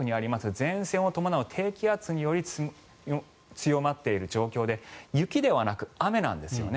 前線を伴う低気圧により強まっている状況で雪ではなく雨なんですよね。